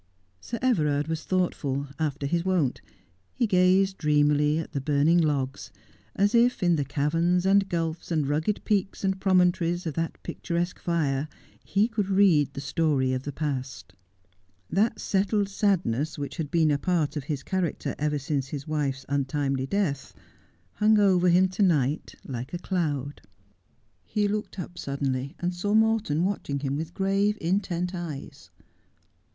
Sir Everard was thoughtful, after his wont ; he gazed dreamily at the burn ing logs, as if in the caverns and gulfs and rugged peaks and promontories of that picturesque fire he could read the story of the past. That settled sadness which had been a part of his character ever since his wife's untimely death hung over him to night like a cloud. He looked up suddenly, and saw Morton watching him with grave, intent eyes.